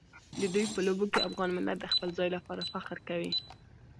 د دوی په لوبو کې افغان ملت د خپل ځای لپاره فخر کوي.